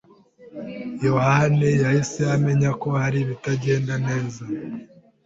Yohani yahise amenya ko hari ibitagenda neza.